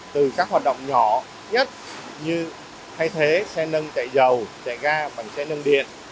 từ các hoạt động nhỏ nhất như thay thế xe nâng chạy dầu chạy ga bằng xe nâng điện